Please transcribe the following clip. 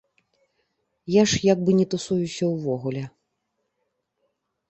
Я ж як бы не тусуюся ўвогуле.